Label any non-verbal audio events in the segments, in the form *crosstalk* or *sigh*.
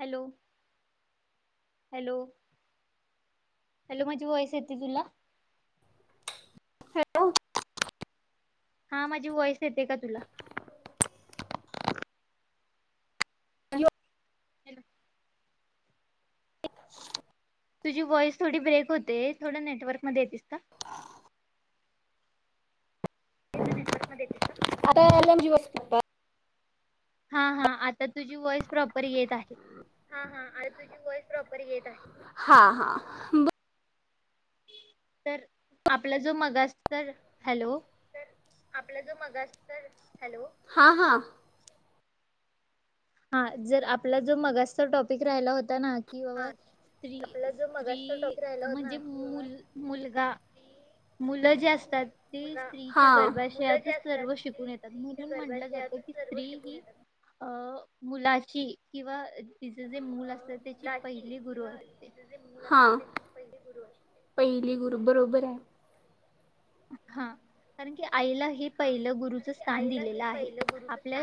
Hello hello hello माझी voice येते तुला हॅलो हा माझी वॉईस येते का तुला हॅलो हन *unintelligible* *unintelligible* तुझी वॉइस थोडी ब्रेक होते थोडं नेटवर्क मध्ये येतेस का? आता एलम जीवस *unintelligible* हा हा आता तुझी वॉइस प्रॉपर येत आहे. हा हा आणि तुझी व्हॉइस प्रॉपर येत आहे ह ह तर आपला जो मगाच तर हॅलो आपलं जर मगा तर हॅलो हा हा हा जर आपला जो मगासचा टॉपिक राहिला होता ना कि बाबा स्त्री स्त्री म्हणजे मुल मुलगा मुलं जे असतात ते स्त्रीच्या गर्भाशयात सर्व शिकून येतात म्हणून म्हटलं जात. कि स्त्री हि अ मुलाची किंवा तिचे जे मूल असत त्याची पहिले गुरु असते पहिली गुरु बरोबर आहे. हा कारण की आईला हे पहिलं गुरुच स्थान दिलेलं आहे आपल्या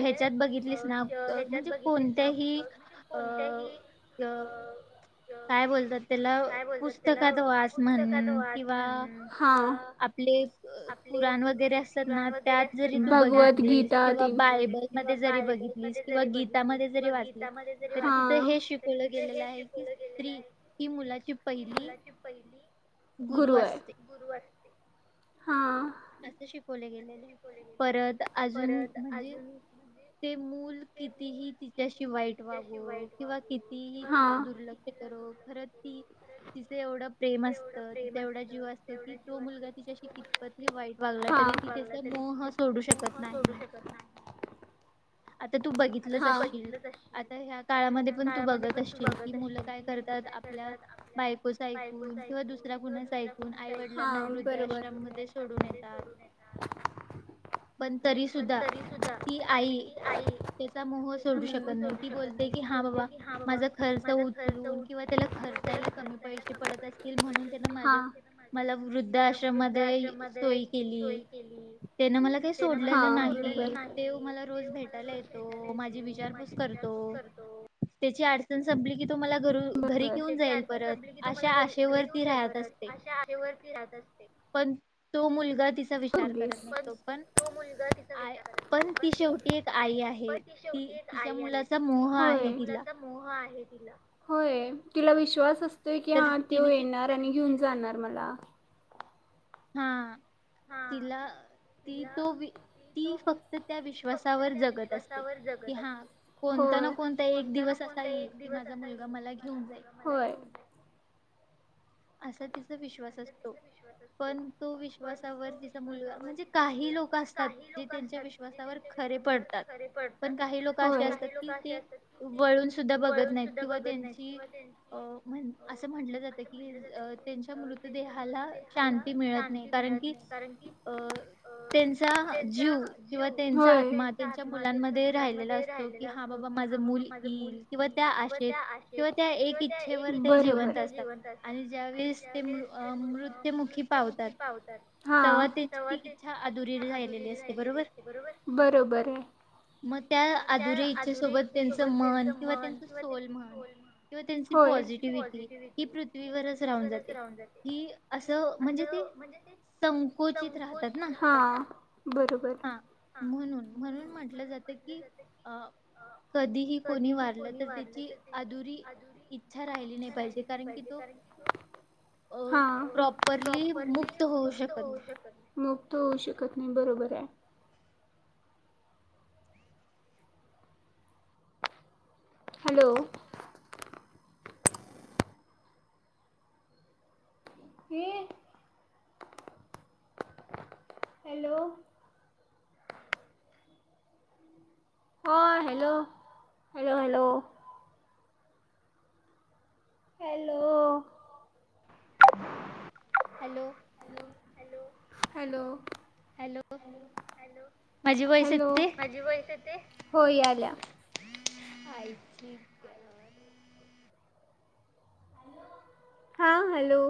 ह्याच्यात बघित म्हणजे कोणत्याही अ काय बोलतात त्याला पुस्तकात वास म्हण किंवा आपले कुराण वगैरे असत ना त्यात जरी तू बघितलीस किंवा बायबलमध्येध्ये जरी बघित किंवा गीतामध्ये जरी वाचलीस तरी तिथ हे शिकवलं गेलेलं आहे की स्त्री हि मुलाची पहिली गुरु असते हां परत अजून म्हणजे ते मूल कितीही तिच्याशी वाईट वागो किंवा कितीही तिला दुर्लक्ष करो खरत ती तिचं एवढं प्रेम असतं तिचा एवढा जीव असतो कि तो मुलगा तिच्याशी कितपत वाईट वागला तरी त त्याच मोह सोडू शकत नाही आता तू बघितलंच असशील आता ह्या काळामध्ये पण तू बघत असशील की मुलं काय करत आप बायको ऐकून किंवा दुसऱ्या कुणाचं ऐकून आई वडिलांना वृद्ध आश्रम सोडून येतात पण तरी सुद्धा ती आई आई त्याचा मोह सोडू शकत नाही ती बोलते की हा बाबा माझा खर्च उचलून किंवा त्याला ख वसाला कमी पैसे पडत असतील म्हणून त्यांना माझ्या मला वृद्ध आश्रम मध्ये सोय केली तेन मला काही सोडलेलं नाही ते मला रोज भेट ेतो माझी विचारपूस करतो त्याचीडण संपली की तो मला घ घरी घेऊन जाईल परत अशा आशेवरती राहत असते जात असते पण तो मुलग तचा विचार करत नसतो पण पण ती शेवटी आई आहे ती तिच्या मुलाचा मोह आहे तिला होय तुला विश्वास असतोय की हा त येणार आणि घेऊन जाणार मला हा तिला ती तो ती फक्त त्या विश्वासावर जगत असते की हा कोण कोन ता ना कोणता एक दिवस असा येईल कि माझा मुलगा मला घेऊन जाईल असा तिचा विश्वास असतो पण तो विश्वासावर तिचा मुलगा म्हणजे काही लोक असतात जे त्यांच्या विश्वासावर खरे पडतात पण काही लोक असे असतात की ते वळून सुद्धा बघत नाही किंवा नाही किंवा त्यां अ म्हण असं म्हणलं जातं की त्यांच्या मृत्य देहाला शांती मिळत नाही कारण की अ त्यांचा जीव किंवा त्यांचा आत्मा त्यांच्या मुलांमध्ये राहिलेला असतो की हा बाबा माझं मूल येईल किंवा त्या आशेत किंवा त्या एक इच्छेवर ते जिवंत असतात आणि ज्यावेेळेस ते म अ मृत्युमुखी पावतात तेव्हा त्याचीी इच्छा अधुरी राहिलेली असते बरोबर बरोबर आहे मग त्या अधुरे इच्छेसोबत त्यांचं मन किंवा त्यांचं सोल म्हण किंवा त्यांची पॉझिटिव्हटी ही पृथ्वीवरच राहून जाते कि असं म्हणजे ते संकुचित राहतात ना हा म्हणून म्हणून म्हटलं जातं की अ कधीही कोणी वारलं तर त्याची अधुरी इच्छा राहिली नाही पाहिजे कारण की तो क्का अ प्रॉपरली मुक्त होऊ शकत नाही मुक्त होऊ शकत नाही बरोबर आहे हॅलो ह हॅलो ह hello hello hello hello hello hello hello hello hello hello माझी वैस येते होई आल्या आायची हां हॅलो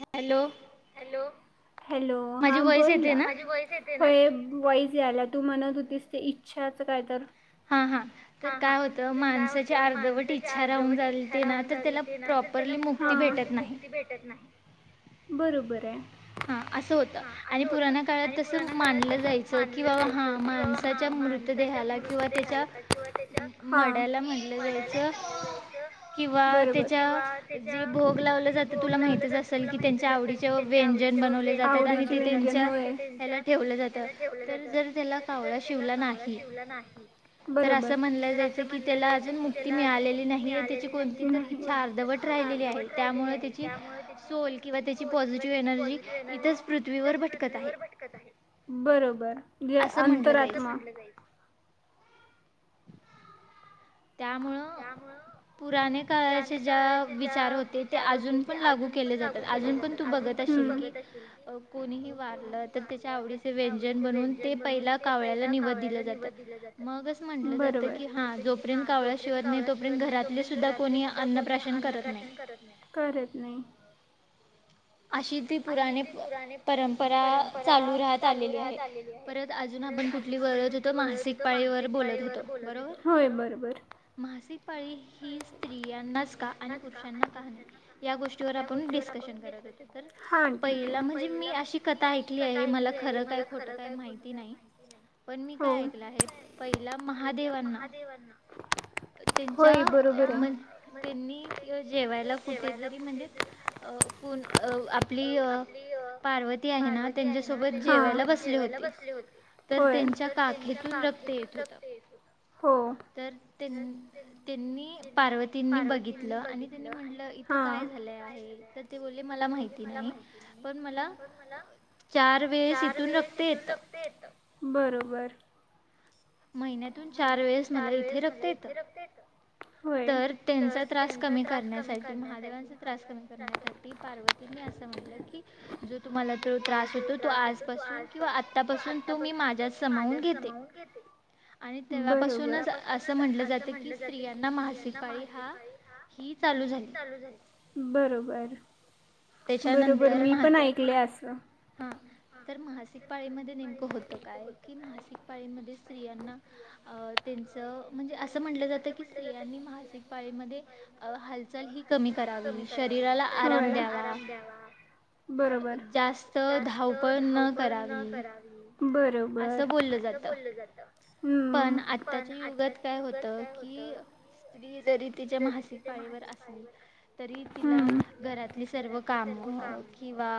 हॅलो हॅलो हा बोल ना माझी वाईस येत काय वईज आला तू म्हणत दिसते इच्छाच काय तर हा हा तर काय होत माणसाची अर्धवट इच्छा राहून जालते ना तर त्याला प्रॉपरली मुक्ती भेटते भेटत नाही बरोबर आहे हा असं होत आणि पुराना काळात तस मानलं जायचं की बाबा हा माणसाच्या मृतदे किवा त्या मड म्ह जाच किंवा त्या ज भो ला जात तुला माह असेल की त्यां आवडी व्य ब जातात त्यां ह ठेव जात जर त्याव शव व शिवला नाही बरोबर अस म्हण जायचं की त्याला अजून कोणती मिळालेली नाहीती व राहिली आहे त्यामुळे त्या सोल किंवा त्याची पृथ्वीवर भटकत आहे बरोबर जे अंतराचे त्यामुळेळं पुरा काळाचे ज्या विचार होते ते अजून पण लागू केले जातात अजून पण तू बघत कोणी वारलं तर त्याच्या आवडीचे व्यंजन बनून ते पहिला काव म्ह ज जोपर्यंत कावळा्या शिवत नाही तोपर्यंत घरातले सुद्धा कोणी अन्नप्राशन करत नाही करत नाही अशी ती पुराने परंपरा चालू राहत आलेली आहे परत अजून आपण कुठली बोलत होतो मासिक पाळीवर बोलत होतो बरोबर मास पाळी ही स्त्रियांनाच का आणि पुरुषांना का नाही या गोष्टीवर आपण डिशक्शन करत होतो तर पहिला म्हणजे मी अशी कथा ऐकली आहे मला खरं काय खोटं काय माहिती नाही पण मी काय ऐकलं आहे पहिला महादेवांना त्यांच्या त्यांनी जेवायला कुठे जरी म्हणजे अ कोण अ आपली अ पार्वती आहे ना त्यांच्यासोबत जेवायला बसले होते तर त्यांच्या काखेतून हो तर त्यां त्यांनी पार्वतींनी बघितलं आणि त्यांनी म्हटलं इथं काय झालंय तर ते बोल नाही पण म चार वेळेस इथून रक्त येत बरोबर महिन्यातून चार वेळेस मला इथे रक्त येत तर त्यांचा त्रास कमी करण्यासाठी महादेवांचा त्रास कमी करण्यासाठी पार्वती असं म्हटलं की जो तुम्हाला तो त्रास होतो तो आजपासून किंवा आतापासून तुम्ही माझ्या समावून घेते आणि तेव्हापासूनच असं म्हटलं जातं की स्त्रिया चा बरोबर त्याच्यानंतर म हा तर मासिक पाळीमध्ये नेमकं होतं काय की मासिक पाळीमध्ये स्त्रियांना अ त्यांच म्हणजे असं म्हटलं जातं की स्त्रियांनी मासिक पाळीमध्ये हालचाल ही कमी करा शरीराला आराम द्यावा अ जास्त धाव पळ न करावी असं बोललं जात पण आताच्या युगात काय होतं कि स्त्री जरी तिच्या मासिक पाळीवर असली तरी तिला घरातली सर्व कामं किंवा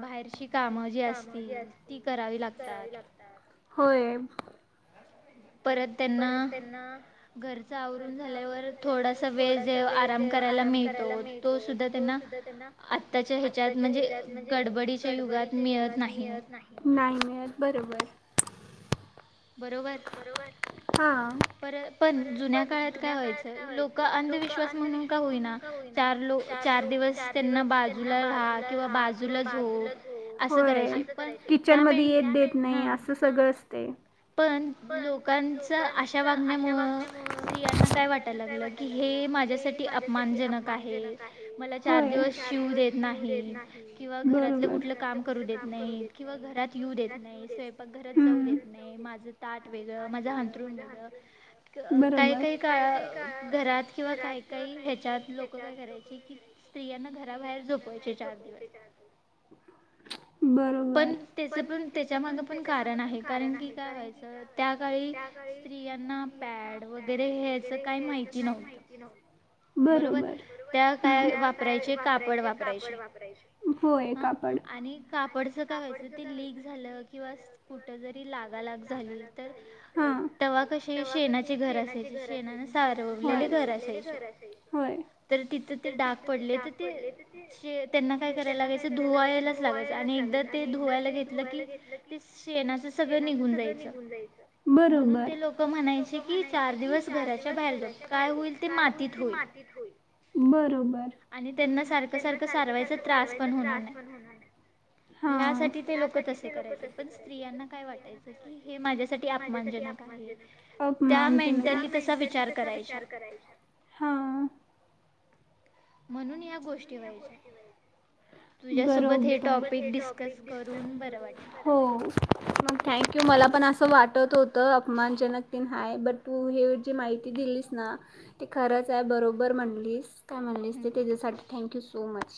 बाहेरची कामं जी असतील ती करावी लागतात होय परत त्यांना घरच आवरून झाल्यावर थोडासा वेळ जे आराम करायला मिळतो तो सुद्धा त्यांना त्यां आताच्या ह्याच्यात म्हणजे गडबडीच्या युगात मिळत नाही नायमर बरोबर बरोबर हा पर पण जुन्या काळात काय व्हायचंय लोक अंधविश्वास म्हणून का होईना चार लो चार दिवस त्यांना बाजूला राहा किंवा बाजूला झोप असं करायच किचन मध्ये येत देत नाही असं सगळं असते पण लोकांच अशा वागण्यामुळं स्त्रियांना काय वाटायला लागलं की हे माझ्यासाठी अपमानजनक आहे मला चार दिवस शिव देत नाही कि घरातलं कुठलं काम करू देत नाही किंवा घरात येऊ देत नाही स्वयंपाक घरात जाऊ देत नाही माझ ताट वेगळं माझं हंतरण वेगळं काही काही काळ घरात किंवा काही काही ह्याच्यात लोक काय करायचे कि स्त्रियांना घराबाहेर झोपवायचे चार दिवस पण त्याच पण त्याच्या माग पण कारण आहे कारण की काय व्हायचं त्या काळी स्त्रियांना पॅड वगैरे ह्याच काही माहिती नव्हतं बरोबर त्या काय वापरायचे कापड वापरायचे हा आणि कापडच काय व्हायचं ते लिक झालं किंवा कुठं जरी लागालाग झाली तवा कशी शेणाचे घर असायचे शेणाने सारवलेले घर असायचे होय तर तिथं ते डाग पडले तर ते त्यांना काय करायला लागायच धुवायलाच लागायचं आणि धुवायला घेतलं की ते शेणाचं सगळं निघून जायचं म्हणून ते लोक म्हणायचे की चार दिवस घराच्या बाहेर काय होईल ते मातीत होई बरोबर आणि त्यांना सारखं सारखं सारवायचा त्रास पण होणार आहे हा यासाठी ते लोक तसे करायचे पण स्त्रियांना काय वाटायचं हे माझ्यासाठी अपमानजनक अपमान मेंटली तसा विचार करायचा हा म्हणून या गोष्टी व्हायच्या बरोबर हो मग किंवा मला पण असं वाटत होतं अपमानजनक तन हाय बट तू हे जी माहिती दिलीस ना ते खरंच आहे बरोबर म्हणलीस काय म्हणा त्याच्यासाठी थँक्यू सो मच